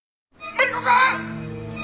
マリコくん！！